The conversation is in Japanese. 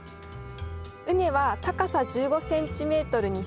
畝は高さ１５ｃｍにします。